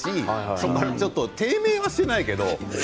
そこからちょっと低迷はしていないけれども。